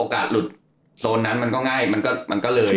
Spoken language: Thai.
หลุดโซนนั้นมันก็ง่ายมันก็เลย